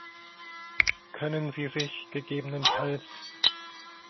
Können sie sich, ggf.